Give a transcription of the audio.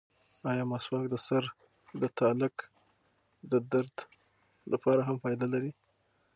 ایا مسواک د سر د تالک د درد لپاره هم فایده لري؟